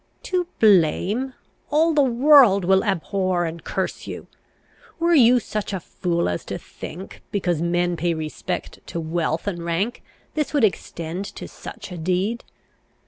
"To blame? All the world will abhor and curse you. Were you such a fool as to think, because men pay respect to wealth and rank, this would extend to such a deed?